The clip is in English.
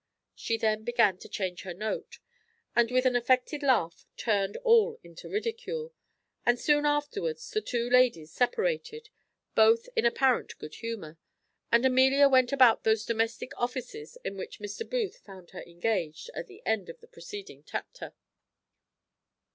She then began to change her note, and, with an affected laugh, turned all into ridicule; and soon afterwards the two ladies separated, both in apparent good humour; and Amelia went about those domestic offices in which Mr. Booth found her engaged at the end of the preceding chapter.